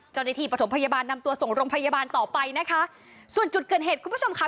ประถมพยาบาลนำตัวส่งโรงพยาบาลต่อไปนะคะส่วนจุดเกิดเหตุคุณผู้ชมค่ะ